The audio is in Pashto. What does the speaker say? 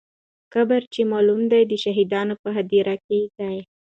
قبر چې معلوم دی، د شهیدانو په هدیره کې دی.